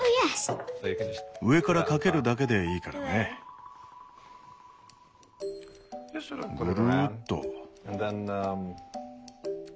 上からかけるだけでいいからねぐるっと。